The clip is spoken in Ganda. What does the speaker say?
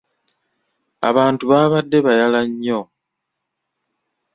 Abantu baabadde bayala nnyo.